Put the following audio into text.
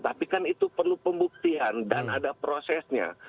tapi kan itu perlu pembuktian dan ada prosesnya